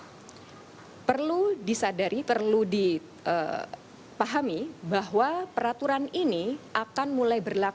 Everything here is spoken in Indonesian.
jangan lupa untuk disiksa dan dilahirkan kepada orang lain yang berniaga juga dalam kecocokan ijin dan